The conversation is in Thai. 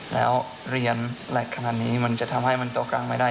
แล้วเรียนอะไรขนาดนี้มันจะทำให้มันโตกลางไม่ได้